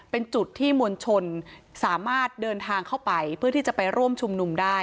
เป็นจุดที่มวลชนสามารถเดินทางเข้าไปเพื่อที่จะไปร่วมชุมนุมได้